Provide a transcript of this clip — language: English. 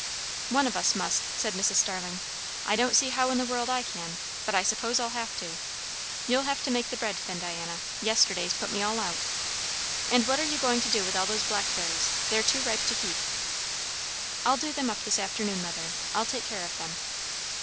"One of us must," said Mrs. Starling. "I don't see how in the world I can; but I suppose I'll have to. You'll have to make the bread then, Diana. Yesterday's put me all out. And what are you going to do with all those blackberries? They're too ripe to keep." "I'll do them up this afternoon, mother. I'll take care of them."